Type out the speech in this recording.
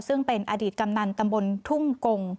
ซึ่งเป็นอดีตกำนันตำบลทุ่งกง